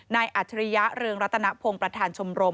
ในอัตริริยะเรืองรัตนภงประธานชมรม